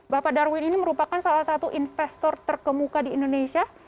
bapak darwin ini merupakan salah satu investor terkemuka di indonesia